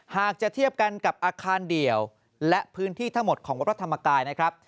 หากจะเทียบกันกับอาคารเดี่ยวและพื้นที่ทั้งหมดของวัดพระธรรมกายนะครับ